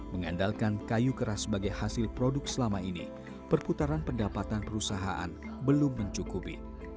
mengandalkan kayu keras sebagai hasil produk selama ini perputaran pendapatan perusahaan belum mencukupi